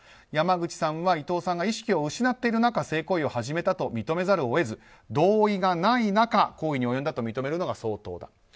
山口さんは伊藤さんが意識を失っている中性行為を始めたと認めざるを得ず、同意がない中行為に及んだと認めるのが相当だ。